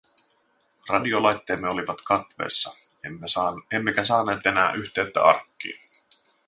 Radiolaitteemme olivat katveessa, emmekä saaneet enää yhteyttä arkkiin.